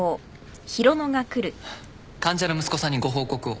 患者の息子さんにご報告を。